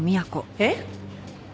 えっ？